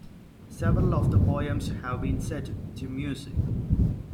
Several of the poems have been set to music.